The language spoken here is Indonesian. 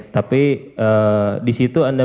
tapi di situ anda